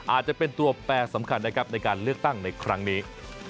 อาจจะเป็นตัวแปรสำคัญนะครับในการเลือกตั้งในครั้งนี้